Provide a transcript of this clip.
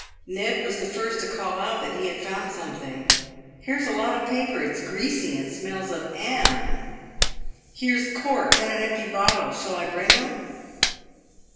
Ned was the first to call out that he had found something. " Here's a lot of paper ! It's greasy, and smells of 'am. , And here's corks, and an empty bottle ! Shall I bring 'em